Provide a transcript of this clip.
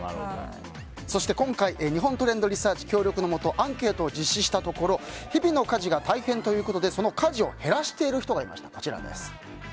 そして今回日本トレンドリサーチ協力のもとアンケートを実施したところ日々の家事が大変ということでその家事を減らしている人がいました。